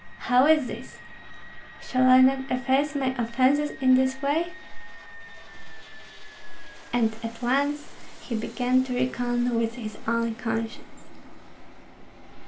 "How is this? Shall I not efface my offences in this way?" And at once he began to reckon with his own conscience.